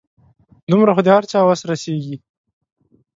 دومره خو د هر چا وس رسيږي .